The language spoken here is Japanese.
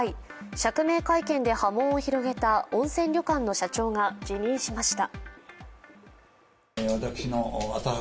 釈明会見で波紋を広げた温泉旅館の社長が辞任しました。